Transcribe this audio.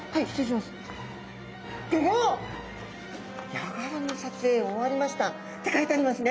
「ヤガラの撮影終わりました」って書いてありますね！